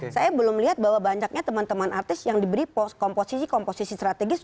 saya belum melihat bahwa banyaknya teman teman artis yang diberi komposisi komposisi strategis